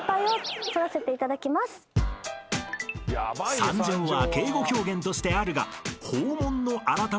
［「参上」は敬語表現としてあるが］